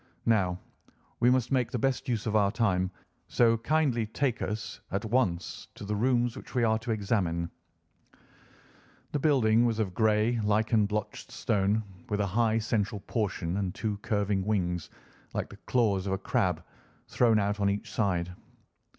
Now, we must make the best use of our time, so kindly take us at once to the rooms which we are to examine." The building was of grey, lichen blotched stone, with a high central portion and two curving wings, like the claws of a crab, thrown out on each side.